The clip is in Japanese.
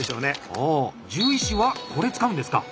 あ獣医師はこれ使うんですか？